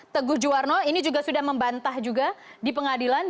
teguh juwarno ini juga sudah membantah juga di pengadilan